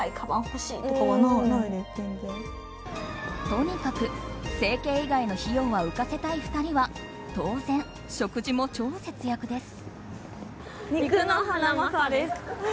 とにかく整形以外の費用は浮かせたい２人は当然、食事も超節約です。